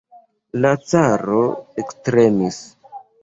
La caro ektremis.